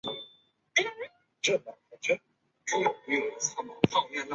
月台墙面使用以天空为意象的蓝色磁砖装饰。